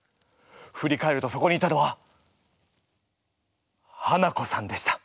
ふり返るとそこにいたのはハナコさんでした。